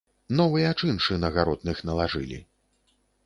Новыя чыншы на гаротных налажылі.